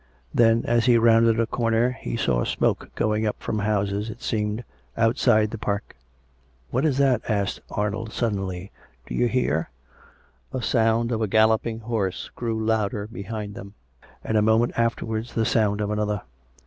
Then, as he rounded a corner he saw smoke going up from houses, it seemed, outside the park. "What is that?" asked Arnold suddenly. "Do you hear ?" A sound of a galloping horse grew louder behind them, and a moment afterwards the sound of another.